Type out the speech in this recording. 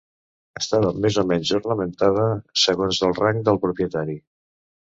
Estava més o menys ornamentada segons el rang del propietari.